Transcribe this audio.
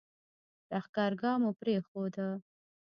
لښکرګاه مو پرېښوده.